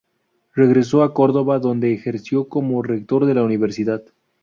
Regresó a Córdoba, donde ejerció como rector de la Universidad.